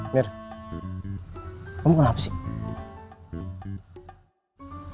mir kamu kenapa sih